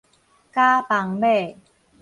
絞幫買